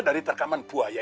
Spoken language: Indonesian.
dari terkaman buaya